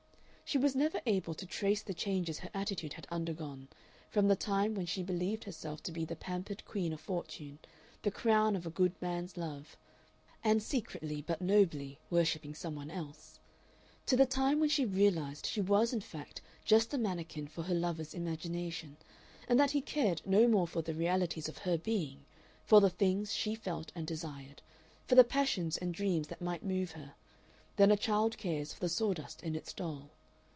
She was never able to trace the changes her attitude had undergone, from the time when she believed herself to be the pampered Queen of Fortune, the crown of a good man's love (and secretly, but nobly, worshipping some one else), to the time when she realized she was in fact just a mannequin for her lover's imagination, and that he cared no more for the realities of her being, for the things she felt and desired, for the passions and dreams that might move her, than a child cares for the sawdust in its doll.